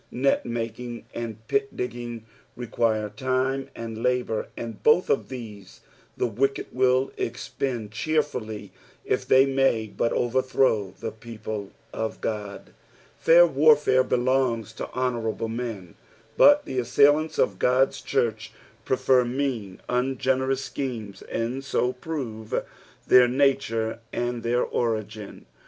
Net making and pit digging require time and lAMur, and both of these the wicked wjll exiicnd cheerfully if they may but overthrow the people of Ood. Fair warfare belongs to honourable men, but the assailants of God's church prefer mean, ungenerous schemes, and bo prove their nature and their ori^n.